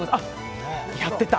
やってた？